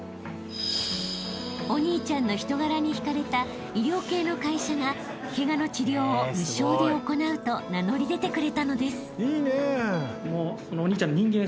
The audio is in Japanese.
［お兄ちゃんの人柄に引かれた医療系の会社がケガの治療を無償で行うと名乗り出てくれたのです］